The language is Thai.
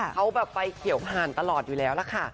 เขาแบบไฟเขียวผ่านตลอดอยู่แล้วล่ะค่ะ